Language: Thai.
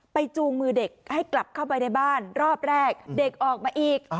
จูงมือเด็กให้กลับเข้าไปในบ้านรอบแรกเด็กออกมาอีก